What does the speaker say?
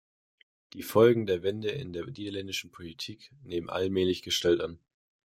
Die Folgen der Wende in der niederländischen Politik nehmen allmählich Gestalt an.